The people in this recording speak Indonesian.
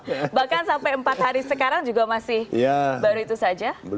bahkan sampai empat hari sekarang juga masih baru itu saja